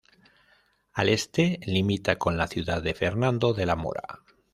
Al este limita con la ciudad de Fernando de la Mora.